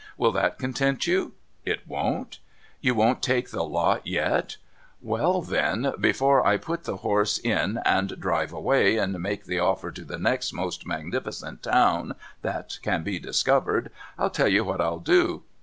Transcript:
Will that content you ? It won't ? You won't take the lot yet ? Well, then, before I put the horse in and drive away, and make the offer to the next most magnificent town that can be discovered, I'll tell you what I'll do.